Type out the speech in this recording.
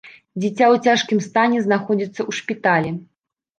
Дзіця ў цяжкім стане знаходзіцца ў шпіталі.